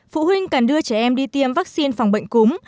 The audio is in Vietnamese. phụ huynh cần đưa trẻ em đi tiêm vaccine phòng bệnh cúm